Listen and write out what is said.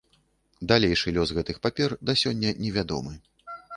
Далейшы лёс гэтых папер, да сёння невядомы.